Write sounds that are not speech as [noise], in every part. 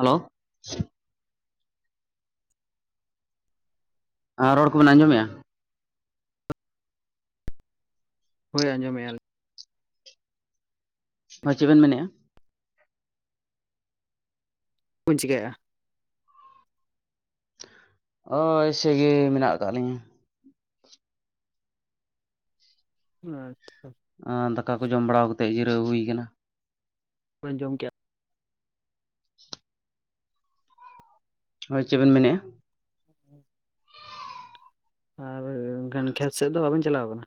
Hello ᱟᱨ ᱨᱚᱲ ᱠᱚᱵᱤᱱ ᱟᱸᱡᱚᱢ ᱢᱮᱜᱼᱟ? ᱦᱳᱭᱸᱡᱚ ᱢᱮᱜ-ᱟ, ᱞᱤᱧ! ᱦᱚᱭ, ᱪᱮᱫ ᱵᱤᱱ ᱢᱮᱱᱮᱜᱼᱟ? - ᱪᱤᱠᱟᱹ ᱭᱮᱜ-ᱟ᱾ ᱦᱳᱭ ᱮ ᱥᱮ ᱢᱮᱱᱟᱜ ᱟᱠᱟᱫ ᱞᱤᱧᱟᱹ ᱟᱪᱪᱷᱟ! ᱫᱟᱠᱟ ᱠᱚ ᱡᱚᱢ ᱵᱟᱲᱟ ᱠᱟᱛᱮᱫ ᱡᱤᱨᱟᱹᱣ ᱦᱩᱭ ᱠᱟᱱᱟ᱾ - ᱡᱚᱢ ᱠᱮᱭᱟ ᱦᱳᱭ ᱪᱮᱫ ᱵᱤᱱ ᱢᱮᱱᱮᱫᱼᱟ? ᱦᱮᱸ ᱟᱨ ᱜᱟᱱ ᱠᱷᱮᱛ ᱥᱮᱫ ᱫᱚ ᱵᱟᱵᱤᱱ ᱪᱟᱞᱟᱣ ᱟᱠᱟᱱᱟ?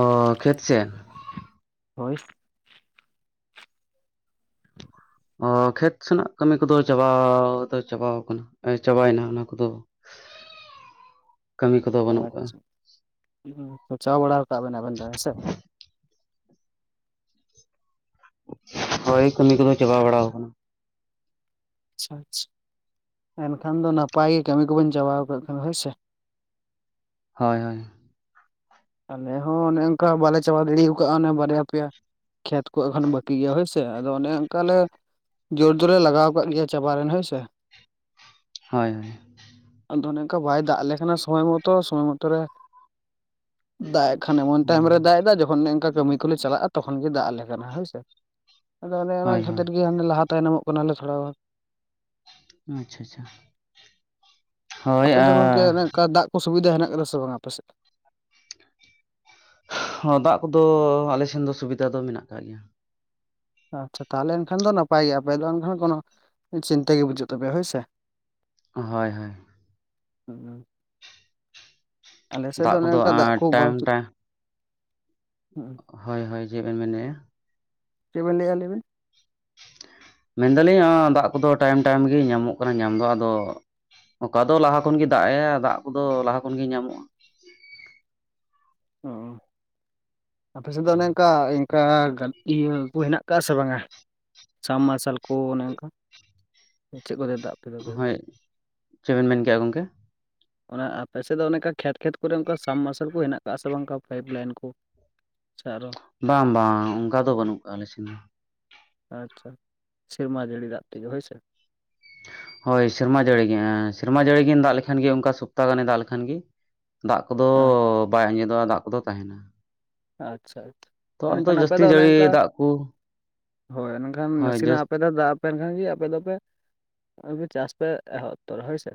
ᱚ ᱠᱷᱮᱛ ᱥᱮᱱ ᱦᱳᱭ ᱚ ᱠᱷᱮᱛ ᱥᱮᱱᱟᱜ ᱠᱟᱹᱢᱤ ᱠᱚᱫᱚ ᱪᱟᱵᱟ ᱫᱚ ᱪᱟᱵᱟᱣ ᱟᱠᱟᱱᱟ᱾ ᱪᱟᱵᱟᱭᱮᱱᱟ ᱚᱱᱟ ᱠᱚᱫᱚ᱾ ᱠᱟᱹᱢᱤ ᱠᱚᱫᱚ ᱵᱟᱹᱱᱩᱜ ᱠᱟᱜᱼᱟ ᱟᱪᱪᱷᱟ ᱦᱩᱸ ᱪᱟᱵᱟ ᱵᱟᱲᱟ ᱠᱟᱜ ᱟᱵᱤᱱ ᱫᱚ ᱦᱮᱸ ᱥᱮ᱾ ᱦᱳᱭ ᱠᱟᱹᱢᱤ ᱠᱚᱫᱚ ᱪᱟᱵᱟ ᱵᱟᱲᱟ ᱟᱠᱟᱱᱟ᱾ ᱟᱪᱪᱷᱟ ᱟᱪᱪᱷᱟ, ᱮᱱᱠᱷᱟᱱ ᱫᱚ ᱱᱟᱯᱟᱭ ᱜᱮ ᱠᱟᱹᱢᱤ ᱠᱚᱵᱚᱱ ᱪᱟᱵᱟᱣᱠᱟᱜ ᱠᱷᱟᱱ ᱦᱳᱭᱥᱮ! ᱦᱳᱭ ᱦᱳᱭ ᱟᱞᱮ ᱦᱚᱸ ᱚᱱᱮ ᱚᱱᱠᱟ ᱵᱟᱞᱮ ᱪᱟᱵᱟ ᱜᱤᱰᱤ ᱚᱠᱟᱜᱼᱟ, ᱚᱱᱮ ᱵᱟᱨᱭᱟ ᱯᱮᱭᱟ ᱠᱷᱮᱛ ᱠᱚ ᱮᱠᱷᱚᱱ ᱵᱟᱹᱠᱤ ᱜᱮᱭᱟ ᱦᱳᱭ ᱥᱮ! ᱦᱮᱸ ᱥᱮ ᱟᱫᱚ ᱚᱱᱮ ᱚᱱᱠᱟ ᱞᱮ ᱡᱳᱨ ᱫᱚᱞᱮ ᱞᱟᱜᱟᱣ ᱟᱠᱟᱜ ᱜᱮᱭᱟ, ᱪᱟᱵᱟ ᱨᱤᱱ ᱦᱳᱭ ᱥᱮ᱾ ᱦᱳᱭ ᱦᱳᱭ ᱟᱫᱚ ᱚᱱᱮ ᱚᱱᱠᱟ ᱵᱟᱭ ᱫᱟᱜ ᱞᱮᱠᱷᱟ ᱥᱚᱢᱚᱭ ᱢᱚᱛᱚ ᱥᱚᱢᱚᱭ ᱢᱚᱛᱚ ᱨᱮ ᱫᱟᱜ ᱮᱫᱽ ᱠᱷᱟᱱᱮ ᱮᱢᱚᱱ ᱴᱟᱭᱤᱢ ᱦᱳᱭ ᱨᱮ ᱫᱟᱜ ᱮᱫᱟ, ᱡᱚᱠᱷᱚᱱ ᱚᱱᱮ ᱚᱝᱠᱟ ᱠᱟᱹᱢᱤ ᱠᱚᱞᱮ ᱪᱟᱞᱟᱜᱼᱟ᱾ ᱛᱚᱠᱷᱚᱱ ᱜᱮ ᱫᱟᱜ ᱟᱞᱮ ᱠᱟᱱᱟ ᱦᱳᱭᱥᱮ᱾ ᱟᱫᱚ ᱚᱱᱮ ᱚᱱᱟ ᱦᱳᱭ ᱦᱳᱭ ᱠᱷᱟᱹᱛᱤᱨ ᱜᱮ ᱞᱟᱦᱟ ᱛᱟᱭᱱᱚᱢᱚᱜ ᱠᱟᱱᱟᱞᱮ ᱛᱷᱚᱲᱟ ᱜᱟᱱ ᱟᱪᱪᱷᱟ ᱟᱪᱪᱷᱟ ᱦᱳᱭ ᱟ ᱚᱥᱩᱵᱤᱫᱟ ᱮᱱᱟᱜ ᱟᱠᱟᱫᱟ ᱥᱮ ᱵᱟᱝ ᱟᱯᱮᱥᱮᱫ? ᱦᱚᱸ ᱫᱟᱜ ᱠᱚᱫᱚ ᱟᱞᱮ ᱥᱮᱱ ᱫᱚ ᱥᱩᱵᱤᱫᱟ ᱫᱚ ᱢᱮᱱᱟᱜ ᱟᱠᱟᱟᱜ ᱜᱮᱭᱟ᱾ ᱟᱪᱪᱷᱟ ᱛᱟᱦᱚᱞᱮ ᱮᱱᱠᱷᱟᱱ ᱫᱚ ᱱᱟᱯᱟᱭ ᱜᱮᱭᱟ ᱯᱮ ᱤᱞ ᱮᱱᱠᱷᱟ ᱱᱳᱱᱳ ᱪᱤᱱᱛᱟᱹ ᱜᱮ ᱵᱟᱪᱩᱜ ᱛᱟᱯᱮᱭᱟ ᱦᱳᱭᱥᱮ? ᱦᱳᱭ ᱦᱳᱭ ᱦᱮᱸ ᱟᱞᱮ ᱥᱮᱫ ᱫᱟᱜ ᱫᱚ ᱚᱱᱮ ᱠᱚᱫᱚ ᱚᱱᱠᱟ ᱫᱟᱜ ᱠᱚ ᱴᱟᱭᱤᱢ ᱵᱟᱝᱪᱩᱜ᱾ ᱴᱟᱭᱤᱢ ᱦᱩᱸᱜ ᱦᱩᱸ ᱦᱳᱭ ᱦᱳᱭ ᱪᱮᱫ ᱵᱮᱱ ᱢᱮᱱᱮᱜᱼᱟ? ᱪᱮᱫ ᱵᱮᱱ ᱞᱟᱹᱭ ᱮᱜᱼᱟ ᱞᱟᱭ ᱵᱤᱱ ᱢᱮᱱᱫᱟᱞᱤᱧ ᱟᱹᱻᱫᱟᱜ ᱠᱚᱫᱚ ᱴᱟᱭᱤᱢ ᱴᱟᱭᱤᱢ ᱜᱮ ᱧᱟᱢᱚᱜ ᱠᱟᱱᱟ ᱧᱟᱢ ᱫᱚ ᱟᱫᱚ ᱚᱠᱟ ᱫᱚ ᱞᱟᱦᱟ ᱠᱷᱚᱱ ᱜᱮ ᱫᱟᱜ ᱮᱭᱟ ᱫᱟᱜ ᱠᱚᱫᱚ ᱞᱟᱦᱟ ᱠᱷᱚᱱ ᱜᱮ ᱧᱟᱢᱚᱜᱼᱟ᱾ ᱚᱸᱜᱚ ᱟᱯᱮᱥ ᱫᱚ ᱮᱱᱮᱝᱠᱟ ᱚᱱᱠᱟ ᱜᱟ ᱤᱭᱟᱹ ᱜᱟᱰᱤᱨᱟ ᱠᱚ ᱦᱮᱱᱟᱜ ᱟᱠᱟᱫᱼᱟ ᱥᱮ ᱵᱟᱝᱟ ᱥᱟᱨ ᱢᱟᱨᱥᱟᱞ ᱠᱩ ᱚᱱᱮ ᱚᱱᱠᱟ ᱪᱮᱫ ᱠᱚ ᱫᱮᱫ ᱦᱳᱭ ᱪᱮᱫᱵᱮᱱ ᱢᱮᱱᱠᱮᱜᱼᱟ ᱜᱚᱝᱠᱮ ᱚᱱᱟ ᱟᱯᱮ ᱥᱮᱫ ᱫᱚ ᱚᱱᱮᱠᱟ ᱠᱷᱮᱛ ᱠᱷᱮᱛ ᱠᱚᱨᱮ ᱚᱱᱠᱟ ᱥᱟᱵ ᱢᱟᱨᱥᱟᱞ ᱠᱚ ᱦᱮᱱᱟᱜᱟᱜᱼᱟ ᱥᱮ ᱵᱟᱝᱠᱟ ᱯᱟᱭᱤᱯ ᱞᱟᱭᱤᱱ ᱠᱚ ᱡᱟ ᱟᱨᱚ ᱵᱟᱝ ᱵᱟᱝ ᱚᱱᱠᱟ ᱫᱚ ᱵᱟᱹᱱᱩᱜ ᱠᱟᱜᱼᱟ ᱞᱮ ᱥᱮᱱ ᱫᱚ ᱟᱪᱪᱷᱟ ᱥᱮᱨᱢᱟ ᱡᱟᱹᱲᱤ ᱫᱟᱜ ᱛᱮᱜᱮ ᱦᱳᱭ ᱥᱮᱮ ᱦᱳᱭ ᱥᱮᱨᱢᱟ ᱡᱟᱹᱲᱤ ᱜᱮ ᱟᱸᱻᱥᱮᱨᱢᱟ ᱡᱟᱹᱲᱤ ᱜᱤᱱ ᱫᱟᱜ ᱞᱮᱠᱷᱟᱱ ᱜᱮ ᱚᱱᱠᱟ ᱥᱚᱯᱛᱟ ᱜᱟᱱᱮ ᱫᱟᱜ ᱞᱮᱠᱷᱟᱱ ᱜᱤ ᱫᱟᱜ ᱠᱚᱫᱚ ᱵᱟᱭ ᱟᱸᱡᱮᱫᱚᱜᱼᱟ ᱫᱟᱜ ᱠᱚᱫᱚ ᱛᱟᱦᱮᱱᱟ᱾ ᱟᱪᱪᱷᱟ ᱟᱪᱪᱷᱟ ᱛᱚ ᱟᱞᱮ ᱮᱱᱠᱷᱟᱱ ᱟᱯᱮ ᱡᱟᱹᱥᱛᱤ ᱫᱚ ᱚᱱᱮ ᱡᱟᱹᱲᱤ ᱚᱱᱠᱟ ᱫᱟᱜ ᱠᱚ ᱦᱳᱭ ᱢᱮᱱᱱᱠᱷᱟᱱ ᱦᱳᱭ ᱱᱟᱥᱮᱱᱟᱜ ᱡᱟᱹᱥ ᱟᱯᱮ ᱫᱚ ᱫᱟᱜ ᱯᱮᱱᱠᱷᱟᱱ ᱜᱮ ᱟᱯᱮ ᱫᱚᱯᱮ ᱪᱟᱥ ᱯᱮ ᱮᱦᱚᱵᱛᱚᱨᱟ ᱦᱳᱭ ᱥᱮ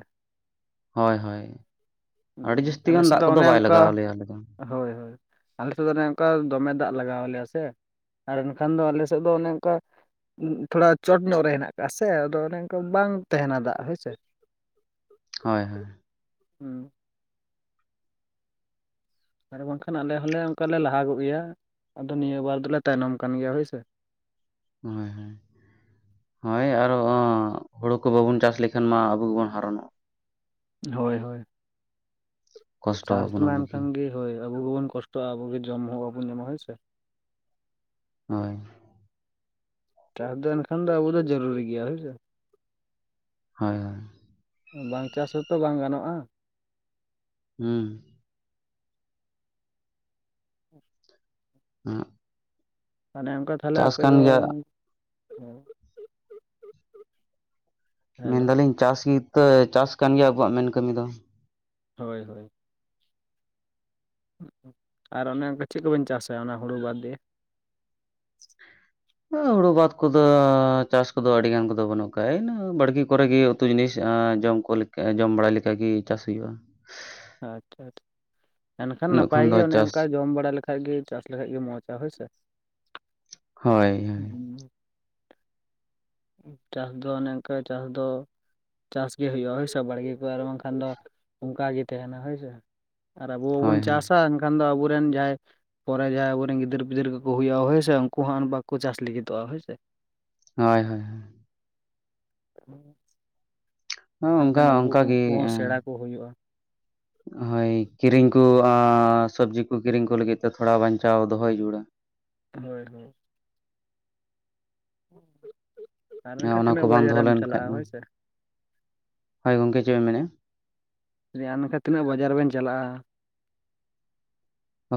ᱦᱳᱭ ᱦᱳᱭ ᱟᱹᱰᱤ ᱦᱩᱸ ᱡᱟᱹᱥᱛᱤ ᱟᱞᱮ ᱜᱟᱱ ᱥᱮᱫ ᱫᱟᱜ ᱫᱚ ᱠᱚᱫᱚ ᱚᱱᱮ ᱵᱟᱭ ᱚᱱᱠᱟ ᱞᱟᱜᱟᱣ ᱞᱮᱮᱭᱟ ᱟᱞᱮ ᱫᱚ ᱦᱳᱭ ᱦᱳᱭ ᱟᱞᱮ ᱥᱮᱫ ᱫᱚ ᱚᱱᱮ ᱚᱱᱠᱟ ᱫᱚᱢᱮ ᱫᱟᱜ ᱞᱟᱜᱟᱣᱞᱮᱭᱟ ᱥᱮ ᱟᱨ ᱮᱱᱠᱷᱟᱱ ᱫᱚ ᱟᱞᱮ ᱥᱮᱫ ᱫᱚ ᱚᱱᱮ ᱚᱱᱠᱟ ᱛᱷᱚᱲᱟ ᱪᱚᱴ ᱧᱚᱜ ᱨᱮ ᱦᱮᱱᱟᱜ ᱟᱠᱟᱟᱜᱼᱟ ᱥᱮ ᱟᱫᱚ ᱚᱱᱮ ᱚᱱᱠᱟ ᱵᱟᱝ ᱛᱟᱦᱮᱱᱟ ᱫᱟᱜ ᱦᱳᱭᱥᱮ ᱦᱳᱭ ᱦᱳᱭ ᱦᱩᱸ ᱟᱨ ᱵᱟᱝᱠᱷᱟᱱ ᱟᱞᱮ ᱦᱚᱸᱞᱮ ᱚᱱᱠᱟ ᱞᱮ ᱞᱟᱦᱟᱜᱚᱜ ᱜᱮᱭᱟ ᱟᱫᱚ ᱱᱤᱭᱟᱹ ᱵᱟᱨ ᱫᱚᱞᱮ ᱛᱟᱭᱱᱚᱢ ᱠᱟᱱ ᱜᱮᱭᱟ ᱦᱳᱭᱥᱮ ᱦᱳᱭ ᱦᱳᱭ ᱦᱳᱭ ᱟᱨᱚᱸ ᱦᱩᱲᱩ ᱠᱚ ᱵᱟᱵᱚᱱ ᱪᱟᱥ ᱞᱮᱠᱷᱟᱱ ᱢᱟ ᱟᱵᱚ ᱜᱮᱵᱚᱱ ᱦᱟᱨᱚᱱᱚᱜ ᱦᱳᱭ ᱦᱳᱭ ᱠᱚᱥᱴᱚ ᱪᱟᱥ ᱟᱵᱚᱱᱟ ᱢᱟ ᱵᱩᱜᱤ ᱮᱱᱠᱷᱟᱱᱜ ᱜᱮ ᱦᱳᱭ ᱟᱵᱚ ᱵᱩᱱ ᱠᱚᱥᱴᱚᱜᱼᱟ ᱟᱵᱚᱜ ᱜᱮ ᱡᱚᱢ ᱦᱚᱸ ᱵᱟᱵᱚᱱ ᱧᱟᱢᱟ ᱦᱮᱭᱥᱮ ᱦᱳᱭ ᱪᱟᱥ ᱫᱚ ᱮᱱᱠᱷᱟᱱ ᱫᱚ ᱟᱵᱚ ᱫᱚ ᱡᱟᱹᱨᱩᱩᱨᱤ ᱜᱮᱭᱟ ᱦᱳᱭᱥᱮ ᱦᱳᱭ ᱦᱳᱭ ᱵᱟᱝ ᱪᱟᱥ ᱦᱚᱸᱛᱚ ᱵᱟᱝ ᱜᱟᱱᱚᱜᱼᱟ ᱦᱩᱸ ᱩᱸ [inaudible] ᱩᱜ ᱱᱮ ᱚᱱᱠᱟ ᱛᱟᱦᱚᱞᱮ ᱟᱯᱮ ᱫᱚ ᱜᱮᱭᱟ ᱦᱚᱸ ᱦᱮᱞᱳ ᱢᱮᱱᱫᱟᱞᱤᱧ ᱪᱟᱥ ᱜᱤᱛᱮ ᱪᱟᱥ ᱠᱟᱱ ᱜᱮᱭᱟ ᱟᱵᱚᱣᱟᱜ ᱢᱮᱱ ᱠᱟᱹᱢᱤ ᱫᱚ ᱦᱳᱭ ᱦᱳᱭ ᱟᱨ ᱚᱱᱮ ᱚᱱᱠᱟ ᱪᱮᱫ ᱠᱚᱵᱮᱱ ᱪᱟᱥᱟ ᱚᱱᱟ ᱦᱩᱲᱩ ᱵᱟᱫᱽ ᱫᱤᱭᱮ ᱦᱩᱲᱩ ᱵᱟᱫ ᱠᱚᱫᱚ ᱪᱟᱥ ᱠᱚᱫᱚ ᱟᱹᱰᱤᱜᱟᱱ ᱠᱚᱫᱚ ᱵᱟᱹᱱᱩᱜ ᱠᱫᱟᱼᱟ ᱤᱱᱟᱹ ᱵᱟᱲᱜᱤ ᱠᱚᱨᱮ ᱜᱮ ᱩᱛᱩ ᱡᱤᱱᱤᱥ ᱟᱻᱡᱚᱢ ᱠᱚ ᱠᱚ ᱞᱮᱠᱟ ᱡᱚᱢ ᱵᱟᱲᱟ ᱞᱮᱠᱟᱜ ᱜᱮ ᱪᱟᱥ ᱦᱩᱭᱩᱜᱼᱟ ᱟᱛᱷᱟ ᱛᱷᱟ ᱮᱱᱠᱷᱟᱱ ᱤᱱᱟᱹᱜ ᱱᱟᱯᱟᱭ ᱠᱷᱚᱱ ᱜᱮ ᱫᱚ ᱚᱱᱮ ᱪᱟᱥ ᱚᱱᱠᱟ ᱡᱚᱢ ᱵᱟᱲᱟ ᱞᱮᱠᱟ ᱞᱮᱠᱟᱜᱤ ᱪᱟᱥ ᱞᱮᱠᱷᱟᱡ ᱜᱮ ᱢᱚᱸᱡᱼᱟ ᱦᱳᱭᱥᱮ ᱦᱳᱭ ᱦᱳᱭ ᱪᱟᱥ ᱫᱚ ᱚᱱᱮ ᱚᱝᱠᱟᱹ ᱪᱟᱥ ᱫᱚ ᱪᱟᱥ ᱜᱮ ᱦᱩᱭᱩᱜᱼᱟ ᱦᱳᱭ ᱥᱮ ᱵᱟᱲᱜᱮ ᱠᱚ ᱟᱨ ᱵᱟᱝᱠᱷᱟᱱ ᱫᱚ ᱚᱱᱠᱟᱟᱜ ᱜᱮ ᱛᱟᱦᱮᱱᱟ ᱦᱳᱭᱥᱮ ᱟᱨ ᱟᱵᱚ ᱵᱟᱵᱚᱱ ᱦᱳᱭ ᱦᱳᱭ ᱪᱟᱥᱟ ᱮᱱᱠᱷᱟᱱ ᱫᱚ ᱟᱵᱚᱨᱮᱱ ᱡᱟᱦᱟᱸᱭ ᱯᱚᱨᱮ ᱡᱟᱦᱟᱸᱭ ᱟᱵᱚᱨᱮᱱ ᱜᱤᱫᱟᱹᱨᱼ ᱯᱤᱫᱟᱹᱨ ᱠᱚᱠᱚ ᱦᱩᱭᱩᱜᱼᱟ ᱦᱳᱸᱥ ᱩᱱᱠᱩ ᱦᱚᱸᱱ ᱟᱨ ᱵᱟᱠᱚ ᱪᱟᱥ ᱞᱟᱹᱜᱤᱫᱚᱜᱼᱟ ᱦᱚᱭ ᱥᱮ ᱦᱳᱭ ᱦᱳᱭ [inaudible] ᱚᱱᱠᱟ ᱮᱱᱛᱮᱱ ᱟᱵᱩ ᱚᱱᱠᱟᱜᱮ ᱩᱝᱠᱩ ᱦᱚᱸ ᱥᱮᱬᱟ ᱠᱚ ᱦᱩᱭᱩᱜᱼᱟ᱾ ᱦᱳᱭ ᱠᱤᱨᱤᱧ ᱠᱚ ᱟᱸ ᱥᱚᱵᱽᱡᱤ ᱠᱚ ᱠᱤᱨᱤᱧ ᱠᱚ ᱞᱟᱹᱜᱤᱫ ᱛᱮ ᱛᱷᱚᱲᱟ ᱵᱟᱧᱪᱟᱣ ᱫᱚᱦᱚᱭ ᱡᱩᱲᱟ᱾ ᱦᱳᱭ ᱦᱳᱭ ᱟᱨ ᱦᱮᱸ, ᱮᱱᱠᱷᱟᱱ ᱚᱱᱟ ᱛᱤᱱᱟᱹᱜ ᱠᱚ ᱵᱟᱝ ᱵᱟᱡᱮ ᱫᱚᱦᱚ ᱨᱮᱢ ᱞᱮᱱᱠᱷᱟᱡ ᱪᱟᱞᱟᱜᱼᱟ ᱢᱟ ᱦᱳᱭ ᱥᱮ᱾ ᱦᱳᱭ ᱜᱚᱢᱠᱮ ᱪᱮᱢ ᱢᱮᱱᱮᱜᱼᱟ? ᱨᱮᱭᱟ ᱱᱟᱠᱷᱟ ᱛᱤᱱᱟᱹᱜ ᱵᱟᱡᱟᱨ ᱵᱮᱱ ᱪᱟᱞᱟᱜᱼᱟ?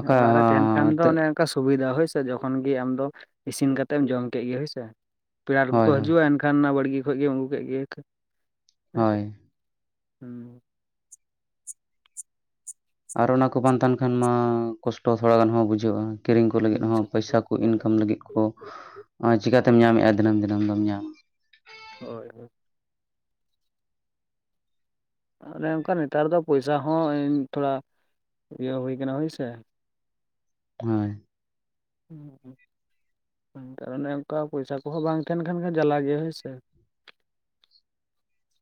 ᱦᱮᱸ ᱚᱲᱟᱜ ᱨᱮ ᱛᱟᱦᱮᱱ ᱠᱷᱟᱱ ᱦᱚᱸ ᱫᱚ ᱛᱟᱹᱜ ᱚᱱᱮ ᱠᱟ ᱥᱩᱵᱤᱫᱷᱟ ᱦᱳᱭᱥᱮ, ᱡᱚᱠᱷᱚᱱ ᱜᱮ ᱟᱢᱫᱚ ᱤᱥᱤᱱ ᱠᱟᱛᱮᱢ ᱡᱚᱢ ᱠᱮᱜ ᱜᱮ ᱦᱳᱭᱥᱮ᱾ ᱯᱮᱲᱟ [unintelligible] ᱠᱚ ᱦᱳᱭ ᱦᱳᱭ ᱦᱤᱡᱩᱜᱼᱟ ᱮᱱᱠᱷᱟᱱ ᱚᱱᱟ ᱵᱟᱲᱜᱮ ᱠᱷᱚᱱ ᱜᱮᱢ ᱟᱹᱜᱩ ᱠᱮᱜ ᱜᱮ ᱦᱮᱸ ᱥᱮ᱾ ᱦᱳᱭ ᱦᱩᱸ ᱟᱨ ᱚᱱᱟ ᱠᱚ ᱵᱟᱝ ᱛᱟᱦᱮᱱ ᱠᱷᱟᱱ ᱢᱟ ᱠᱚᱥᱴᱚ ᱛᱷᱚᱲᱟᱜᱟᱱ ᱦᱚᱸ ᱵᱩᱡᱷᱟᱹᱜᱼᱟ᱾ ᱠᱤᱨᱤᱧ ᱠᱚ ᱞᱟᱹᱜᱤᱫ ᱦᱚᱸ ᱵᱩᱡᱷᱟᱹᱜ ᱯᱚᱭᱥᱟ ᱦᱳᱭ ᱠᱚ ᱦᱳᱭ ᱤᱱᱠᱟᱢ ᱞᱟᱹᱜᱤᱫ ᱠᱚ ᱟ ᱪᱤᱠᱟᱛᱮᱢ ᱧᱟᱢᱮᱜᱼᱟ ᱫᱤᱱᱟᱹᱢ ᱫᱤᱱᱟᱹᱢ ᱫᱚᱢ ᱧᱟᱢᱟ? ᱦᱳᱭ ᱦᱳᱭ ᱛᱟᱦᱟᱞᱮ ᱚᱝᱠᱟ ᱱᱮᱛᱟᱨ ᱫᱚ ᱯᱚᱭᱥᱟ ᱦᱚᱸ ᱛᱷᱚᱲᱟ ᱤᱭᱟᱹ ᱦᱩᱭ ᱠᱟᱱᱟ ᱦᱳᱭᱥᱮ᱾ ᱦᱚᱸᱭ ᱟᱨ ᱱᱮᱛᱟᱨ ᱚᱱᱮ ᱚᱝᱠᱟ ᱯᱚᱭᱥᱟ ᱠᱚᱦᱚᱸ ᱵᱟᱝ ᱛᱟᱦᱮᱱ ᱠᱟᱱ ᱠᱷᱟᱱ ᱡᱟᱞᱟ ᱜᱮᱭᱟ ᱦᱳᱭ ᱥᱮ᱾ [inaudible]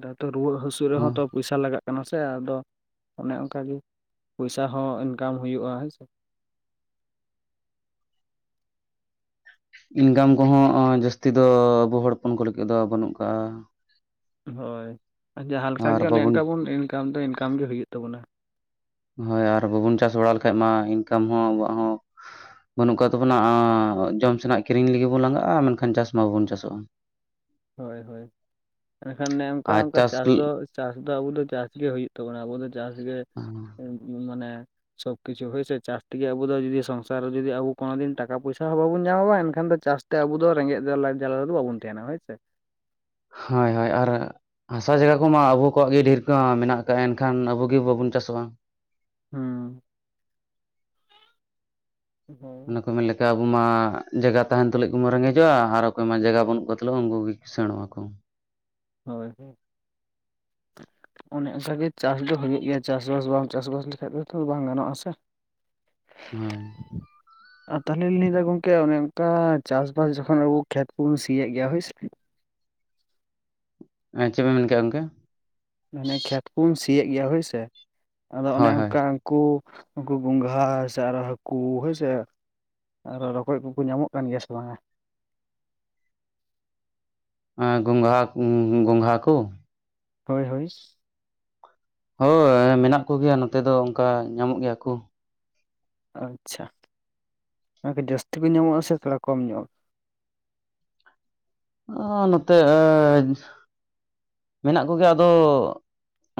ᱫᱟ ᱛᱚ ᱨᱩᱣᱟᱹᱜ ᱦᱟᱹᱥᱩ ᱨᱮᱦᱚᱸ ᱦᱚᱸ ᱛᱚ ᱯᱚᱭᱥᱟ ᱞᱟᱜᱟᱜ ᱠᱟᱱᱟ ᱥᱮ, ᱟᱫᱚ ᱚᱱᱮ ᱚᱝᱠᱟᱜᱮ ᱯᱚᱭᱥᱟ ᱦᱚᱸ ᱤᱱᱠᱟᱢ ᱦᱩᱭᱩᱜᱼᱟ ᱦᱮᱸ ᱥᱮ᱾ ᱤᱱᱠᱟᱢ ᱠᱚᱦᱚᱸ ᱚᱸ ᱡᱟᱹᱥᱛᱤ ᱫᱚ ᱟᱵᱚ ᱦᱚᱲ ᱦᱚᱯᱚᱱ ᱠᱚ ᱞᱟᱹᱜᱤᱫ ᱫᱚ ᱵᱟᱹᱱᱩᱜ ᱠᱟᱜᱼᱟ᱾ ᱦᱳᱭ ᱡᱟᱦᱟᱸ ᱟᱨ ᱞᱮᱠᱟᱜᱮ ᱚᱱᱮ ᱵᱟᱵᱚᱱ ᱚᱝᱠᱟ ᱵᱚᱱ ᱤᱱᱠᱟᱢ ᱫᱚ ᱤᱱᱠᱟᱢ ᱜᱮ ᱦᱩᱭᱩᱜ ᱛᱟᱵᱚᱱᱟ᱾ ᱦᱳᱭ ᱟᱨ ᱵᱟᱵᱚᱱ ᱪᱟᱥ ᱵᱟᱲᱟ ᱞᱮᱠᱷᱟᱡ ᱢᱟ ᱤᱱᱠᱟᱢ ᱦᱚᱸ ᱟᱵᱚᱣᱟᱜ ᱦᱚᱸ ᱵᱟᱹᱱᱩᱜ ᱠᱟᱜ ᱛᱟᱵᱚᱱᱟ, ᱟᱸ ᱡᱚᱢ ᱥᱮᱱᱟᱜ ᱠᱤᱨᱤᱧ ᱞᱟᱹᱜᱤᱫ ᱵᱚᱱ ᱞᱟᱜᱟᱜᱼᱟ, ᱢᱮᱱᱠᱷᱟᱱ ᱪᱟᱥ ᱢᱟ ᱵᱟᱵᱚᱱ ᱪᱟᱥᱚᱜᱼᱟ᱾ ᱦᱳᱭ ᱦᱳᱭ ᱢᱮᱱᱠᱷᱟᱱ ᱚᱱᱮ ᱚᱝᱠᱟ ᱟᱨ ᱚᱝᱠᱟ ᱪᱟᱥ ᱦᱳᱭ ᱫᱚ ᱪᱟᱥ ᱫᱚ ᱟᱵᱚ ᱫᱚ ᱪᱟᱥᱜᱮ ᱦᱩᱭᱩᱜ ᱛᱟᱵᱚᱱᱟ, ᱟᱵᱚ ᱫᱚ ᱪᱟᱥ ᱜᱮ ᱩᱢ ᱩᱸ ᱢᱟᱱᱮ ᱥᱚᱵ ᱠᱤᱪᱷᱩ ᱦᱳᱭᱥᱮ ᱪᱟᱥᱛᱮᱜᱮ ᱟᱵᱚ ᱫᱚ ᱡᱩᱫᱤ ᱥᱚᱝᱥᱟᱨ ᱨᱮ ᱡᱩᱫᱤ ᱟᱵᱳ ᱠᱚᱱᱳ ᱫᱤᱱ ᱴᱟᱠᱟ-ᱯᱚᱭᱥᱟ ᱦᱚᱸ ᱵᱟᱵᱚᱱ ᱧᱟᱢᱟ ᱮᱠᱷᱟᱱ ᱫᱚ ᱪᱟᱥ ᱛᱮ ᱟᱵᱚ ᱫᱚ ᱨᱮᱸᱜᱮᱡ ᱞᱟᱡ ᱡᱟᱞᱟ ᱨᱮᱫᱚ ᱵᱟᱵᱚᱱ ᱛᱟᱦᱮᱱᱟ ᱦᱳᱭ ᱥᱮ᱾ ᱦᱳᱭ ᱦᱳᱭ ᱟᱨ ᱦᱟᱥᱟ ᱡᱟᱜᱟ ᱠᱚᱢᱟ ᱟᱵᱚ ᱠᱚᱣᱟᱜ ᱜᱮ ᱰᱷᱤᱨ ᱠᱚ ᱢᱟ ᱢᱮᱱᱟᱜ᱾ ᱛᱟᱦᱮᱱᱠᱷᱟᱱ ᱟᱵᱚᱜ ᱜᱮ ᱵᱟᱵᱚᱱ ᱪᱟᱥᱚᱜᱼᱟ᱾ ᱦᱩᱸ ᱚᱱᱟ ᱠᱚ ᱢᱮᱱᱮᱞᱮ ᱠᱟ ᱟᱵᱚ ᱢᱟ ᱡᱟᱭᱜᱟ ᱛᱟᱦᱮᱱ ᱛᱩᱞᱩᱡ ᱠᱚᱵᱚᱱ ᱨᱮᱸᱜᱮᱡᱚᱜᱼᱟ ᱟᱨ ᱚᱠᱚᱭ ᱢᱟ ᱡᱟᱭᱜᱟ ᱵᱟᱹᱱᱩᱜ ᱠᱚᱣᱟ ᱛᱟᱞᱦᱮ ᱩᱝᱠᱩ ᱜᱮ ᱠᱤᱥᱟᱺᱬᱚᱜᱼᱟ ᱠᱚ᱾ ᱦᱳᱭ ᱚᱱᱮ ᱚᱝᱠᱟᱜᱮ ᱪᱟᱥ ᱫᱚ ᱦᱩᱭᱩᱜ ᱜᱮᱭᱟ, ᱪᱟᱥᱵᱟᱥ ᱵᱟᱝ ᱪᱟᱥᱵᱟᱥ ᱞᱮᱠᱷᱟᱡ ᱫᱚ ᱛᱚ ᱵᱟᱝ ᱜᱟᱱᱚᱜᱼᱟ ᱥᱮ᱾ ᱦᱳᱭ ᱟᱨ ᱛᱟᱞᱦᱮ ᱞᱤᱧ ᱞᱟᱹᱭᱫᱟ ᱜᱚᱝᱠᱮ ᱚᱱᱮ ᱚᱝᱠᱟ ᱪᱟᱥᱵᱟᱥ ᱡᱚᱠᱷᱚᱱ ᱟᱵᱚ ᱠᱷᱮᱛ ᱠᱚᱵᱚᱱ ᱥᱤᱭᱮᱜ ᱜᱮᱭᱟ ᱦᱳᱭᱥᱮ ᱮᱸ ᱪᱮᱜ ᱵᱤᱱ ᱢᱮᱱ ᱠᱮᱜᱼᱟ ᱜᱚᱝᱠᱮ? ᱢᱟᱱᱮ ᱠᱷᱮᱛ ᱵᱚᱱ ᱥᱤᱭᱮᱫ ᱜᱮᱭᱟ ᱦᱳᱭᱥᱮ ᱟᱫᱚ ᱚᱱᱮ ᱦᱳᱭ ᱦᱳᱭ ᱚᱝᱠᱟ ᱠᱩ ᱩᱝᱠᱩ ᱜᱚᱝᱜᱷᱟ ᱦᱮᱥᱮ ᱟᱨᱦᱳ ᱦᱟᱹᱠᱩ ᱦᱳᱭᱥᱮ᱾ ᱟᱨᱚ ᱨᱚᱠᱚᱡ ᱠᱚᱠᱚ ᱧᱟᱢᱚᱜ ᱠᱟᱱ ᱜᱮᱭᱟ ᱥᱮ ᱵᱟᱝᱟ? ᱟᱸ ᱜᱚᱝᱜᱷᱟ ᱩᱸ ᱜᱚᱝᱜᱷᱟ ᱠᱚ? ᱦᱳᱭ ᱦᱳᱭ ᱦᱳᱭ ᱢᱮᱱᱟᱜ ᱠᱚᱜᱮᱭᱟ ᱱᱚᱛᱮ ᱫᱚ ᱚᱝᱠᱟ ᱧᱟᱢᱚᱜ ᱜᱮᱭᱟ ᱠᱚ᱾ ᱟᱪᱪᱷᱟ [unintelligible] ᱡᱟᱹᱥᱛᱤ ᱠᱚ ᱧᱟᱢᱚᱜᱼᱟ ᱥᱮ ᱛᱷᱚᱲᱟ ᱠᱚᱢ ᱧᱚᱜ? ᱚ ᱱᱚᱛᱮ ᱮ ᱢᱮᱱᱟᱜ ᱠᱚᱜᱮᱭᱟ ᱟᱫᱚ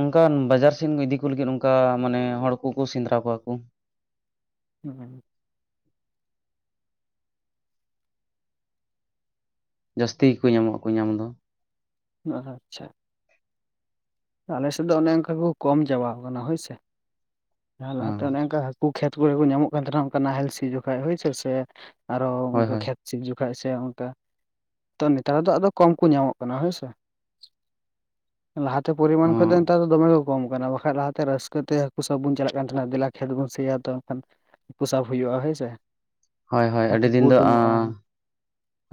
ᱚᱝᱠᱟᱱ ᱵᱟᱡᱟᱨ ᱥᱤᱱ ᱠᱚ ᱤᱫᱤ ᱠᱚ ᱞᱟᱹᱜᱤᱫ ᱚᱱᱠᱟ ᱢᱟᱱᱮ ᱦᱚᱲ ᱠᱚᱠᱚ ᱥᱮᱸᱫᱽᱨᱟ ᱠᱚᱣᱟ ᱠᱚ᱾ [unintelligible] ᱡᱟᱹᱥᱛᱤ ᱜᱮᱠᱚ ᱧᱟᱢᱚᱜᱼᱟ ᱧᱟᱢ ᱫᱚ᱾ ᱟᱪᱪᱷᱟ᱾ ᱟᱞᱮᱥᱮᱫ ᱫᱚ ᱚᱱᱮ ᱚᱝᱠᱟ ᱠᱚ ᱠᱚᱢ ᱪᱟᱵᱟ‌ᱣ ᱠᱟᱱᱟ ᱦᱳᱭ ᱥᱮ, ᱞᱟᱦᱟᱛᱮ ᱚᱱᱮ ᱚᱝᱠᱟ ᱩᱝᱠᱩ ᱠᱷᱮᱛ ᱠᱚᱨᱮ ᱠᱚ ᱧᱟᱢᱚᱜ ᱠᱟᱱ ᱛᱟᱸᱦᱮᱱᱟ ᱚᱱᱠᱟ ᱱᱟᱦᱮᱞ ᱥᱤ ᱡᱚᱠᱷᱟᱪ ᱦᱳᱭᱥᱮ ᱟᱨᱚ ᱦᱳᱭ ᱚᱝᱠᱟ ᱦᱳᱭ ᱠᱷᱮᱛ ᱥᱤ ᱡᱚᱠᱷᱟᱪ ᱥᱮ ᱚᱝᱠᱟ ᱛᱚ ᱱᱮᱛᱟᱨ ᱫᱚ ᱟᱫᱚ ᱠᱚᱢ ᱠᱚ ᱧᱟᱢᱚᱜ ᱠᱟᱱᱟ ᱦᱳᱭᱥᱮ᱾ ᱞᱟᱦᱟᱛᱮ ᱯᱚᱨᱤᱢᱟᱱ ᱠᱷᱚᱡᱽ ᱫᱚ ᱱᱮᱛᱟᱨ ᱫᱚᱢᱮ ᱠᱚ ᱠᱚᱢ ᱠᱟᱱᱟ ᱵᱟᱠᱷᱟᱱ ᱞᱟᱦᱟᱛᱮ ᱨᱟᱹᱥᱠᱟᱹ ᱛᱮ ᱦᱟᱹᱠᱩ ᱥᱟᱵᱽ ᱵᱚᱱ ᱪᱟᱞᱟᱜ ᱠᱟᱱ ᱛᱟᱦᱮᱱᱟ ᱫᱮᱞᱟ ᱠᱷᱮᱛ ᱵᱟ. ᱫ ᱥᱤᱭᱟ ᱟᱫᱚ ᱮᱱᱠᱷᱟᱱ ᱦᱟᱹᱠᱩ ᱥᱟᱵ ᱦᱩᱭᱩᱜᱼᱟ ᱦᱳᱭ ᱥᱮ, ᱦᱳᱭ ᱦᱳᱭ ᱟᱹᱰᱤ ᱦᱟᱹᱠᱩ ᱠᱚ ᱫᱤᱱ ᱫᱚ ᱩᱰᱩᱝᱚᱜᱼᱟ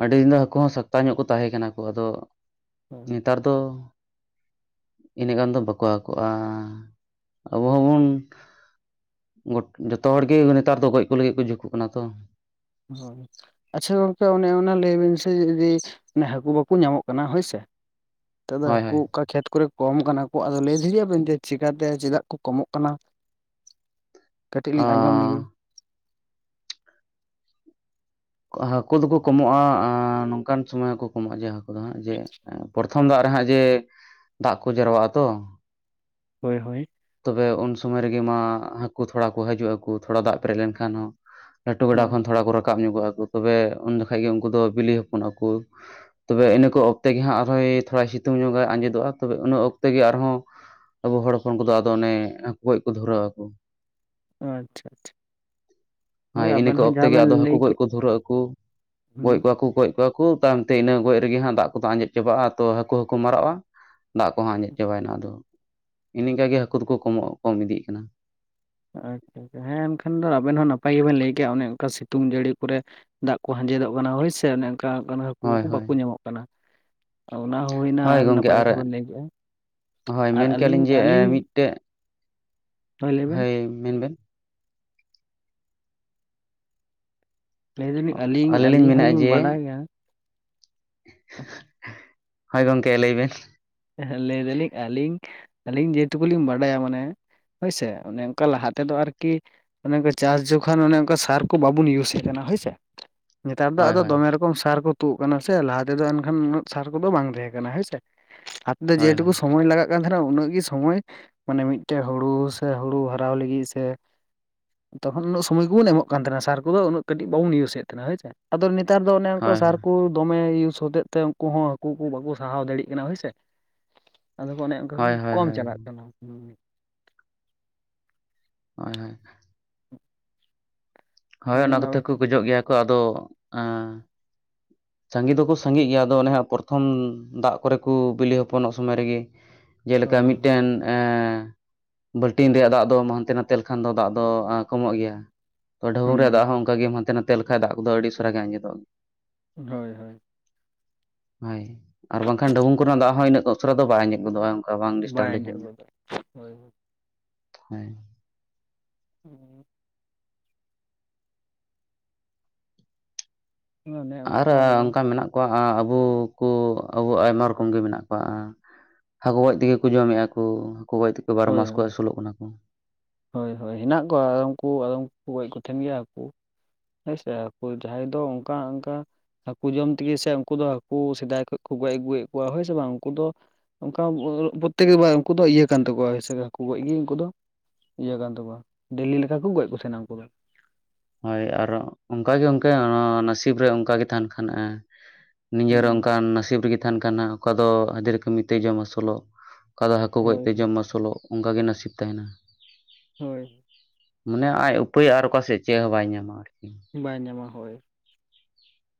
ᱟᱹᱰᱤ ᱫᱤᱱ ᱫᱚ ᱦᱟᱹᱠᱩ ᱦᱚᱸ ᱥᱟᱯᱛᱟ ᱧᱚᱜ ᱠᱚ ᱛᱟᱦᱮᱸ ᱠᱟᱱᱟ ᱠᱚ ᱟᱫᱚ ᱱᱮᱛᱟᱨ ᱫᱚ ᱤᱱᱟᱹᱜ ᱜᱟᱱ ᱫᱚ ᱵᱟᱠᱚ ᱦᱟᱠᱚᱜᱼᱟ ᱟᱵᱚ ᱦᱚᱸᱵᱚᱱ ᱡᱚᱛ ᱡᱚᱛᱚ ᱦᱚᱲ ᱜᱮ ᱱᱮᱛᱟᱨ ᱫᱚ ᱜᱚᱡ ᱠᱚ ᱞᱟᱹᱜᱤᱫ ᱠᱚ ᱡᱷᱩᱸᱠᱩᱜ ᱠᱟᱱᱟ ᱛᱚ᱾ ᱦᱩᱸ, ᱟᱪᱪᱷᱟ ᱜᱚᱝᱠᱮ ᱚᱱᱮ ᱚᱱᱟ ᱞᱟᱹᱭ ᱵᱤᱱ ᱥᱮ ᱡᱩᱫᱤ ᱚᱱᱮ ᱦᱟᱹᱠᱩ ᱵᱟᱠᱚ ᱧᱟᱢᱚᱜ ᱠᱟᱱᱟ ᱦᱳᱭᱥᱮ᱾ ᱛᱚᱵᱮ ᱦᱳᱭ ᱦᱟᱹᱠᱩ ᱦᱳᱭ ᱚᱠᱟ ᱠᱷᱮᱛ ᱠᱚᱨᱮ ᱠᱚᱢ ᱠᱟᱱᱟ ᱠᱚ ᱟᱫᱚ ᱞᱟᱹᱭ ᱫᱟᱲᱮᱭᱟᱜ ᱵᱮᱱ ᱡᱮ ᱪᱮᱠᱟᱛᱮ ᱪᱮᱫᱟᱜ ᱠᱚ ᱠᱚᱢᱚᱜ ᱠᱟᱱᱟ? [inaudible] ᱠᱟᱹᱴᱤᱡ ᱞᱤᱧ ᱟᱸᱡᱚᱢ ᱞᱮᱜᱮ᱾ ᱦᱟᱹᱠᱩ ᱫᱚᱠᱚ ᱠᱚᱢᱚᱜᱼᱟ ᱱᱚᱝᱠᱟᱱ ᱥᱚᱢᱚᱭ ᱦᱚᱸᱠᱩ ᱠᱚ ᱠᱚᱢᱚᱜᱼᱟ ᱡᱮ ᱦᱟᱹᱠᱩ ᱫᱚ ᱦᱟᱸᱜ ᱡᱮ ᱯᱨᱚᱛᱷᱚᱢ ᱫᱟᱜ ᱨᱮᱦᱟᱸᱜ ᱡᱮ ᱫᱟᱜ ᱠᱚ ᱡᱟᱨᱣᱟᱜ-ᱟ ᱛᱚ᱾ ᱦᱳᱭ ᱦᱳᱭ᱾ ᱛᱚᱵᱮ ᱩᱱ ᱥᱚᱢᱚᱭ ᱨᱮᱜᱮ ᱢᱟ ᱦᱟᱹᱠᱩ ᱛᱷᱚᱲᱟ ᱠᱚ ᱦᱟᱡᱩᱜ-ᱟ ᱠᱚ ᱛᱷᱚᱲᱟ ᱫᱟᱜ ᱯᱮᱨᱮᱡ ᱞᱮᱱᱠᱷᱟᱱ ᱦᱚᱸ᱾ ᱞᱟᱹᱴᱩ ᱜᱟᱰᱟ ᱦᱳᱭ ᱠᱷᱚᱱ ᱛᱷᱚᱲᱟ ᱠᱚ ᱨᱟᱠᱟᱵ ᱧᱚᱜᱚᱜᱼᱟ ᱠᱚ ᱛᱚᱵᱮ ᱩᱱ ᱡᱚᱠᱷᱷᱟᱡ ᱜᱮ ᱩᱝᱠᱩ ᱫᱚ ᱵᱤᱞᱤ ᱦᱚᱯᱚᱱᱚᱜ-ᱟ ᱠᱚ᱾ ᱛᱚᱵᱮ ᱤᱱᱟᱹ ᱠᱚ ᱚᱠᱛᱮ ᱜᱮ ᱦᱟᱸᱜ ᱟᱨᱦᱚᱸᱭ ᱛᱷᱚᱲᱟ ᱥᱤᱛᱩᱝ ᱧᱚᱜᱟᱭ ᱟᱸᱡᱮᱫᱚᱜᱼᱟ ᱛᱚᱵᱮ ᱤᱱᱟᱹ ᱚᱠᱛᱮ ᱜᱮ ᱟᱨᱦᱚᱸ᱾ ᱟᱵᱚ ᱦᱚᱲ ᱦᱚᱯᱚᱱ ᱠᱚᱫᱚ ᱟᱫᱚ ᱚᱱᱮ ᱦᱟᱹᱠᱩ ᱜᱚᱡ ᱠᱚ ᱫᱷᱩᱨᱟᱹᱜ-ᱟ ᱠᱚ ᱟᱪᱪᱷᱟ ᱟᱪᱪᱷᱟ ᱦᱮᱸ, ᱦᱳᱭ ᱤᱱᱟᱹ ᱟᱵᱮᱱ ᱠᱚ ᱦᱚᱸ ᱚᱠᱛᱮ ᱡᱟᱦᱟᱸ ᱜᱮ ᱵᱮᱱ ᱟᱫᱚ ᱦᱟᱹᱠᱩ ᱞᱟᱹᱭ ᱜᱚᱡᱽ ᱠᱮᱫ ᱫᱷᱩᱨᱟᱹᱜ ᱟᱠᱚ, ᱦᱩᱸ ᱜᱚᱡ ᱠᱚ ᱵᱟᱠᱚ ᱜᱚᱡ ᱠᱚᱣᱟ ᱠᱚ ᱛᱟᱭᱚᱢᱛᱮ ᱤᱱᱟᱹ ᱜᱚᱡ ᱨᱮᱜᱮ ᱦᱟᱸᱜ ᱫᱟᱜ ᱠᱚᱫᱚ ᱟᱸᱡᱮᱫ ᱪᱟᱵᱟᱜᱼᱟ ᱛᱚ ᱦᱟᱹᱠᱩ ᱦᱚᱸᱠᱚ ᱢᱟᱨᱟᱜᱼᱟ᱾ ᱫᱟᱜ ᱠᱚᱦᱚᱸ ᱟᱸᱡᱮᱫ ᱪᱟᱵᱟᱭᱮᱱᱟ ᱟᱫᱚ, ᱤᱱᱤᱱ ᱤᱱᱠᱟ ᱜᱮ ᱦᱟᱹᱠᱩ ᱫᱚᱠᱚ ᱠᱚᱢᱚᱜ ᱠᱚᱢ ᱤᱫᱤᱜ ᱠᱟᱱᱟ᱾ ᱟᱪᱪᱷᱟ ᱟᱪᱪᱷᱟ ᱦᱮᱸ ᱮᱱᱠᱷᱟᱱ ᱫᱚ ᱟᱵᱮᱱ ᱦᱚᱸ ᱱᱟᱯᱟᱭ ᱜᱮᱵᱮᱱ ᱞᱟᱹᱭ ᱠᱮᱜᱼᱟ ᱚᱱᱮ ᱚᱝᱠᱟ ᱥᱤᱛᱩᱝ ᱡᱟᱹᱲᱤ ᱠᱚᱨᱮ ᱫᱟᱜ ᱠᱚ ᱦᱟᱸᱡᱮᱫᱚᱜ ᱠᱟᱱᱟ ᱦᱳᱭᱥᱮ ᱚᱱᱮ ᱚᱝᱠᱟ ᱠᱟᱱᱟ ᱦᱟᱹᱠᱩ ᱦᱳᱭ ᱠᱚ ᱦᱳᱭ ᱵᱟᱠᱚ ᱧᱟᱢᱚᱜ ᱠᱟᱱᱟ᱾ ᱚᱱᱟ ᱦᱩᱭᱱᱟ ᱦᱳᱭ ᱜᱚᱝᱠᱮ ᱱᱟᱯᱟᱭ ᱟᱨ ᱠᱟᱛᱷᱟ ᱵᱮᱱ ᱞᱟᱹᱭ ᱠᱮᱜᱼᱟ ᱦᱳᱭ ᱟᱨ ᱢᱮᱱ ᱠᱮᱭᱟ ᱟᱹᱞᱤᱧ ᱞᱤᱧ ᱡᱮ ᱮᱸ ᱟᱹᱞᱤᱧ ᱢᱤᱫᱴᱮᱡ ᱞᱟᱹᱭ ᱵᱮᱱ ᱦᱳᱭ ᱢᱮᱱᱵᱮᱱ ᱞᱟᱹᱭ ᱫᱟᱞᱤᱧ ᱟᱹᱞᱤᱧ ᱞᱤᱧ ᱟᱹᱞᱤᱧ ᱢᱮᱱᱮᱫᱼᱟ ᱦᱚᱞᱤᱧ ᱡᱮ ᱵᱟᱰᱟᱭᱟ ᱦᱳᱭ, ᱜᱚᱝᱠᱮ ᱞᱟᱹᱭᱵᱮᱱ ᱞᱟᱹᱭ ᱫᱟᱞᱤᱧ ᱟᱹᱞᱤᱧ ᱟᱹᱞᱤᱧ ᱡᱮᱴᱩᱠᱩ ᱞᱤᱧ ᱵᱟᱰᱟᱭᱟ ᱢᱟᱱᱮ ᱦᱳᱭᱥᱮ ᱚᱱᱮ ᱚᱝᱠᱟ ᱞᱟᱦᱟ ᱛᱮᱫᱚ ᱟᱨᱠᱤ ᱚᱱᱮ ᱚᱝᱠᱟ ᱪᱟᱥ ᱡᱚᱠᱷᱚᱱ ᱚᱱᱮ ᱚᱝᱠᱟ ᱥᱟᱨ ᱠᱚ ᱵᱟᱵᱚᱱ ᱤᱭᱩᱡᱮᱜ ᱠᱟᱱᱟ ᱦᱳᱭᱥᱮ᱾ ᱱᱮᱛᱟᱨ ᱫᱚ ᱦᱳᱭ ᱟᱫᱚ ᱦᱳᱭ ᱫᱚᱢᱮ ᱨᱚᱠᱚᱢ ᱥᱟᱨ ᱠᱚ ᱛᱩᱫ ᱠᱟᱱᱟ ᱥᱮ ᱞᱟᱦᱟ ᱛᱮᱫᱚ ᱮᱱᱠᱷᱟᱱ ᱩᱱᱟᱹᱜ ᱥᱟᱨ ᱠᱚᱫᱚ ᱵᱟᱝ ᱛᱟᱦᱮᱸ ᱠᱟᱱᱟ ᱦᱳᱭ ᱥᱮ᱾ ᱡᱮ ᱦᱳᱭ ᱦᱳᱭ ᱴᱩᱠᱩ ᱥᱚᱢᱚᱭ ᱞᱟᱜᱟᱜ ᱮᱱᱨᱮᱦᱚᱸ ᱩᱱᱟᱹᱜ ᱜᱮ ᱥᱚᱢᱚᱭ, ᱢᱟᱱᱮ ᱢᱤᱫᱴᱮᱡ ᱦᱩᱲᱩ ᱥᱮ ᱦᱩᱲᱩ ᱦᱟᱨᱟᱣ ᱞᱟᱹᱜᱤᱫ ᱥᱮ ᱛᱚᱠᱷᱚᱱ ᱩᱱᱟᱹᱜ ᱥᱚᱢᱚᱭ ᱜᱮᱵᱚᱱ ᱮᱢᱚᱜ ᱠᱟᱱ ᱛᱟᱦᱮᱱᱟ ᱥᱟᱨ ᱠᱚᱫᱚ ᱩᱱᱟᱹᱜ ᱠᱟᱹᱴᱤᱡ ᱵᱟᱵᱚᱱ ᱤᱭᱩᱪᱮᱫ ᱛᱟᱸᱦᱮᱱᱟ ᱦᱳᱭ ᱥᱮ᱾ ᱟᱫᱚ ᱱᱮᱛᱟᱨ ᱫᱚ ᱚᱱᱮ ᱚᱝᱠᱟ ᱦᱳᱭ ᱥᱟᱨ ᱠᱚ ᱫᱚᱢᱮ ᱤᱭᱩᱡᱽ ᱦᱚᱛᱮᱫ ᱛᱮ ᱩᱝᱠᱩ ᱦᱚᱸ ᱦᱟᱠᱩ ᱠᱚ ᱵᱟᱠᱚ ᱥᱟᱦᱟᱣ ᱫᱟᱲᱮᱭᱟᱜ ᱠᱟᱱᱟ ᱦᱳᱭᱥᱮ᱾ ᱟᱫᱚ ᱠᱚ ᱚᱱᱮ ᱚᱝᱠᱟ ᱠᱚ ᱦᱳᱭ ᱦᱳᱭ ᱦᱳᱭ ᱠᱚᱢ ᱦᱳᱭ ᱪᱟᱞᱟᱜ ᱠᱟᱱᱟ᱾ ᱦᱩᱸ, ᱦᱳᱭ ᱦᱳᱭ᱾ ᱦᱳᱭ ᱞᱟᱹᱭ ᱚᱱᱟ ᱵᱮᱱ ᱠᱚᱛᱮ ᱟᱵᱮᱱ ᱠᱚ ᱪᱮᱫ ᱵᱮᱱ ᱜᱚᱡᱚᱜ ᱜᱮᱭᱟ ᱠᱚ ᱟᱫᱚ ᱮᱸᱻ ᱥᱟᱸᱜᱮ ᱫᱚᱠᱚ ᱥᱟᱸᱜᱮᱜ ᱜᱮᱭᱟ ᱟᱫᱚ ᱚᱱᱮ ᱦᱟᱸᱜ ᱯᱨᱚᱛᱷᱚᱢ ᱫᱟᱜ ᱠᱚᱨᱮ ᱠᱚ ᱵᱤᱞᱤ ᱦᱚᱯᱚᱱᱚᱜ ᱥᱚᱢᱚᱭ ᱨᱮᱜᱮ ᱡᱮᱞᱮᱠᱟ ᱦᱳᱭ ᱦᱳᱭ ᱢᱤᱫᱴᱮᱱ ᱮᱸᱻ ᱵᱟᱹᱞᱴᱤᱱ ᱨᱮᱭᱟᱜ ᱫᱟᱜ ᱫᱚᱢ ᱦᱟᱱᱛᱮ ᱱᱟᱛᱮ ᱞᱮᱠᱷᱟᱱ ᱫᱚ ᱫᱟᱜ ᱫᱚ ᱠᱚᱢᱚᱜ ᱜᱮᱭᱟ᱾ ᱛᱚ, ᱰᱷᱟᱵᱩᱝ ᱨᱮᱭᱟᱜ ᱦᱩᱸ ᱫᱟᱜ ᱦᱚᱸ ᱚᱝᱠᱟ ᱜᱮᱢ ᱦᱟᱱᱛᱮ ᱱᱟᱛᱮ ᱞᱮᱠᱷᱟᱡ ᱫᱟᱜ ᱠᱚᱫᱚ ᱟᱹᱰᱤ ᱩᱥᱟᱹᱨᱟ ᱜᱮ ᱟᱸᱡᱮᱫᱚᱜ ᱦᱳᱭ ᱦᱳᱭ᱾ ᱦᱳᱭ ᱟᱨ ᱵᱟᱝᱠᱷᱟᱱ ᱰᱷᱟᱹᱵᱩᱝ ᱠᱚᱨᱮᱱᱟᱜ ᱫᱟᱜ ᱦᱚᱸ ᱤᱱᱟᱹᱜ ᱩᱥᱟᱹᱨᱟ ᱫᱚ ᱵᱟᱭ ᱟᱸᱡᱮᱫ ᱜᱚᱫᱚᱜᱼᱟ᱾ ᱚᱝᱠᱟ ᱵᱟᱝ ᱰᱤᱥᱴᱟᱵᱽ ᱵᱟᱭ ᱞᱮᱠᱷᱟᱱ ᱟᱸᱡᱮᱫ ᱫᱚ, ᱜᱚᱫᱚᱜ ᱦᱳᱭ ᱦᱳᱭ ᱦᱳᱭ᱾ [inaudible] ᱚᱱᱮ ᱟᱨ ᱟᱫᱚ ᱚᱱᱠᱟ ᱢᱮᱱᱟᱜ ᱠᱚᱣᱟ ᱟᱵᱚ ᱠᱚ ᱟᱵᱚ ᱟᱭᱢᱟ ᱨᱚᱠᱚᱢ ᱜᱮ ᱢᱮᱱᱟᱜ ᱠᱚᱣᱟ ᱦᱟᱹᱠᱩ ᱜᱚᱡ ᱛᱮᱜᱮ ᱠᱚ ᱡᱚᱢᱮᱜᱼᱟ ᱠᱚ ᱦᱟᱹᱠᱩ ᱜᱚᱡ ᱛᱮᱜᱮ ᱵᱟᱨᱚ ᱦᱳᱭ ᱢᱟᱥ ᱠᱚ ᱦᱳᱭ ᱟᱹᱥᱩᱞᱚᱜ ᱠᱟᱱᱟ ᱠᱚ᱾ ᱦᱳᱭ ᱦᱳᱭ ᱦᱮᱱᱟᱜ ᱠᱚᱣᱟ ᱟᱫᱚᱢᱠᱩ ᱟᱫᱚᱢ ᱠᱚ ᱜᱚᱡ ᱠᱚ ᱛᱟᱦᱮᱱ ᱜᱮᱭᱟ ᱦᱟᱹᱠᱩ ᱦᱮᱸᱥᱮ ᱡᱟᱦᱟᱸᱭ ᱫᱚ ᱚᱱᱠᱟ ᱚᱱᱠᱟ ᱦᱟᱹᱠᱩ ᱡᱚᱢ ᱛᱮᱜᱮ ᱥᱮ ᱩᱱᱠᱩ ᱫᱚ ᱦᱟᱹᱠᱩ ᱥᱮᱫᱟᱭ ᱠᱷᱚᱱ ᱠᱚ ᱜᱚᱡ ᱟᱹᱜᱩᱭᱮᱫ ᱠᱚᱣᱟ ᱦᱳᱭ ᱥᱮ ᱵᱟᱝ ᱩᱱᱠᱩ ᱫᱚ, ᱚᱱᱠᱟ ᱯᱨᱚᱛᱮᱠᱵᱟᱨ ᱩᱱᱠᱩ ᱫᱚ ᱤᱭᱟᱹ ᱠᱟᱱ ᱛᱟᱠᱚᱣᱟ ᱮᱥᱮ ᱜᱮ ᱦᱟᱹᱠᱩ ᱜᱚᱡ ᱜᱮ ᱩᱱᱠᱩ ᱫᱚ, ᱤᱭᱟᱹ ᱠᱟᱱ ᱛᱟᱠᱚᱣᱟ ᱰᱮᱞᱤ ᱞᱮᱠᱟ ᱠᱚ ᱜᱚᱡ ᱠᱚ ᱥᱮᱱᱚᱜᱼᱟ ᱩᱱᱠᱩ ᱫᱚ᱾ ᱦᱳᱭ ᱟᱨ ᱚᱱᱠᱟᱜᱮ ᱚᱱᱠᱮ ᱱᱟᱥᱤᱵ ᱨᱮ ᱚᱱᱠᱟᱜ ᱜᱮ ᱛᱟᱦᱮᱱ ᱠᱷᱟᱱ, ᱱᱤᱡᱮᱨ ᱦᱩᱸ ᱚᱱᱠᱟᱱ ᱱᱟᱥᱤᱵ ᱨᱮᱜᱮ ᱛᱟᱦᱮᱱ ᱠᱟᱱ ᱚᱠᱟ ᱫᱚ ᱦᱟᱹᱡᱽᱨᱤ ᱠᱟᱹᱢᱤ ᱛᱮ ᱡᱚᱢ ᱟᱹᱥᱩᱞᱚᱜ, ᱚᱠᱟ ᱫᱚ ᱦᱟᱹᱠᱩ ᱦᱳᱭ ᱜᱚᱡᱛᱮ ᱦᱳᱭ ᱡᱚᱢ ᱟᱹᱥᱩᱞᱚᱜ ᱚᱱᱠᱟᱜᱮ ᱱᱟᱥᱤᱵ ᱛᱟᱦᱮᱱᱟ᱾ ᱦᱳᱭ᱾ ᱢᱟᱱᱮ ᱟᱡ ᱩᱯᱟᱹᱭ ᱟᱨ ᱚᱠᱟ ᱥᱮᱫ ᱪᱮᱫ ᱦᱚᱸ ᱵᱟᱭ ᱧᱟᱢᱟ ᱟᱨᱠᱤ ᱵᱟᱭ ᱧᱟᱢᱟ ᱦᱳᱭ᱾ [inaudible]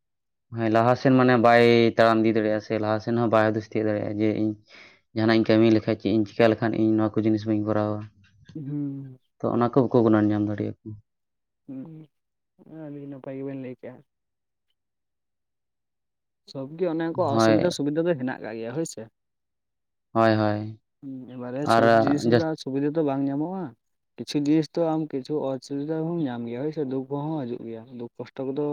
ᱦᱮᱸ ᱞᱟᱦᱟᱥᱮᱱ ᱢᱟᱱᱮ ᱵᱟᱭ ᱛᱟᱲᱟᱢ ᱤᱫᱤ ᱫᱟᱲᱮᱭᱟᱜᱼᱟ ᱥᱮ ᱞᱟᱦᱟᱥᱮᱱ ᱦᱚᱸ ᱵᱟᱭ ᱦᱩᱫᱤᱥ ᱛᱤᱭᱳᱜ ᱫᱟᱲᱮᱭᱟᱜᱼᱟ ᱡᱮ ᱤᱧ ᱡᱟᱦᱟᱱᱟᱜ ᱤᱧ ᱠᱟᱹᱢᱤ ᱞᱮᱠᱷᱟᱡ ᱪᱮᱫ ᱤᱧ ᱪᱤᱠᱟ ᱞᱮᱠᱷᱟᱱ ᱤᱧ ᱱᱚᱣᱟ ᱠᱚ ᱡᱤᱱᱤᱥ ᱵᱟᱹᱧ ᱠᱚᱨᱟᱣᱟ᱾ ᱦᱩᱸ ᱛᱚ ᱚᱱᱟ ᱠᱚ ᱵᱟᱠᱚ ᱜᱩᱱᱟᱹᱱ ᱧᱟᱢ ᱫᱟᱲᱮ ᱭᱟ ᱦᱩᱸ ᱟᱹᱰᱤ ᱱᱟᱯᱟᱭ ᱜᱮᱵᱮᱱ ᱞᱟᱹᱭ ᱠᱮᱜᱼᱟ᱾ ᱥᱚᱵ ᱜᱮ ᱚᱱᱮ ᱚᱱᱠᱟ ᱦᱳᱭ ᱚᱥᱩᱵᱤᱫᱟ ᱥᱩᱵᱤᱫᱟ ᱫᱚ ᱦᱮᱱᱟᱜ ᱟᱠᱟᱟᱜ ᱜᱮᱭᱟ ᱦᱳᱭ ᱥᱮ᱾ ᱦᱳᱭ ᱦᱳᱭ᱾ ᱮᱵᱟᱨᱮ ᱟᱨ ᱥᱚᱵ ᱡᱤᱱᱤᱥ ᱡᱟᱹᱥᱛᱤ ᱨᱮᱱᱟᱜ ᱫᱚ ᱥᱩᱵᱤᱫᱷᱟ ᱫᱚ ᱵᱟᱝ ᱧᱟᱢᱚᱜᱼᱟ, ᱠᱤᱪᱷᱩ ᱡᱤᱱᱤᱥ ᱫᱚ ᱟᱢ ᱠᱤᱪᱷᱩ ᱚᱥᱩᱵᱤᱫᱷᱟ ᱦᱚᱸᱢ ᱧᱟᱢ ᱜᱮᱭᱟ ᱦᱳᱭᱥᱮ ᱫᱩᱠ ᱦᱚᱸ ᱦᱤᱡᱩᱜ ᱜᱮᱭᱟ ᱫᱩᱠ ᱠᱚᱥᱴᱚ ᱠᱚᱫᱚ᱾